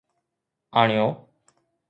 آڻيو